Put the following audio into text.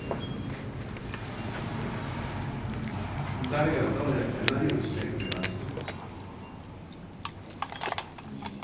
誰がどうやって何をしてくれます？